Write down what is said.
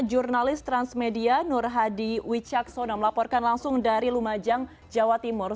jurnalis transmedia nur hadi wicaksono melaporkan langsung dari lumajang jawa timur